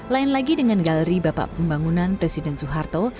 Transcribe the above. lain lagi dengan galeri bapak pembangunan presiden soeharto